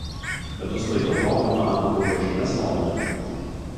Metus laiko tobulino anglų kalbos žinias Londone.